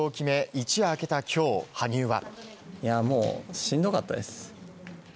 一夜明けた今日、羽生は。